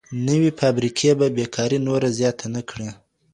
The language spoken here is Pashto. نوي فابریکې به بیکاري نوره زیاته نه کړي.